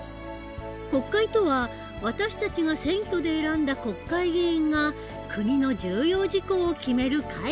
国会とは私たちが選挙で選んだ国会議員が国の重要事項を決める会議の事。